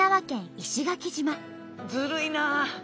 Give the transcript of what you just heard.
ずるいなあ！